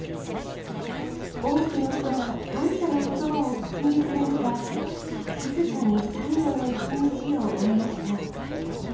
多くの人が感謝のことばを口にする中、静かに最後の一日を終えました。